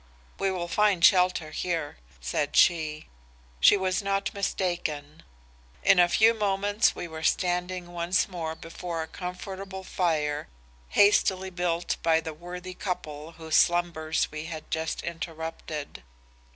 "'We will find shelter here,' said she. "She was not mistaken. In a few moments we were standing once more before a comfortable fire hastily built by the worthy couple whose slumbers we had thus interrupted.